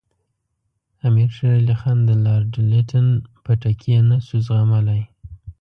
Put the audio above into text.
امیر شېر علي خان د لارډ لیټن پټکې نه شو زغملای.